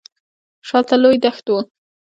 شاته لوی دښت و.